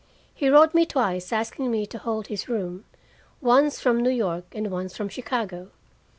He wrote me twice asking me to hold his room, once from New York and once from Chicago.